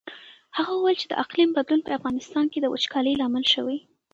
هغه وویل چې د اقلیم بدلون په افغانستان کې د وچکالۍ لامل شوی.